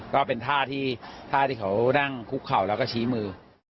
ก็เป็นท่าที่ท่าที่เขานั่งคุกเข่าแล้วก็ชี้มือ